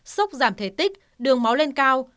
sốc giảm thể tích đường máu lên cao